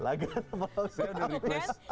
lagernya mau saya request